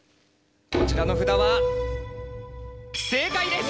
こちらの札は正解です！